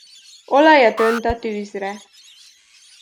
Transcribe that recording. Olajat önt a tűzre.